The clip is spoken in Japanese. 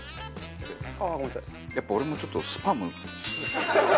やっぱ俺もちょっとスパム硬すぎて。